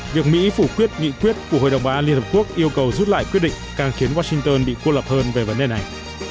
việc mỹ phủ quyết nghị quyết của hội đồng bảo an liên hợp quốc yêu cầu rút lại quyết định càng khiến washington bị cô lập hơn về vấn đề này